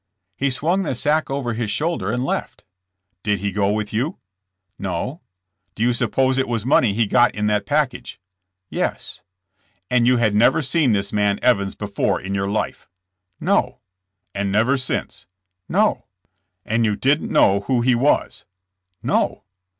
He swung the sack over his shoulder and left." '*Didhe go with you?" No." *'Do you suppose it was money he got in that package ?'' *'Yes." And you had never seen this man Evans before in your life ?'' *'No." And never since?'' No." And you didn't know who he was?" *'No."